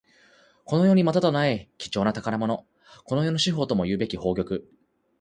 この世にまたとない貴重な宝物。この世の至宝ともいうべき宝玉。